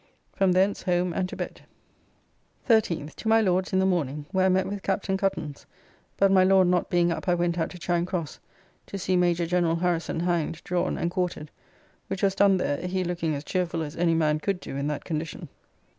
From thence home and to bed. 13th. To my Lord's in the morning, where I met with Captain Cuttance, but my Lord not being up I went out to Charing Cross, to see Major general Harrison hanged, drawn; and quartered; which was done there, he looking as cheerful as any man could do in that condition.